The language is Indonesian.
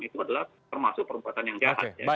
itu adalah termasuk perbuatan yang jahat